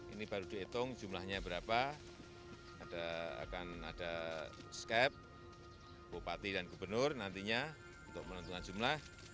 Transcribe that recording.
ini baru dihitung jumlahnya berapa akan ada skep bupati dan gubernur nantinya untuk menentukan jumlah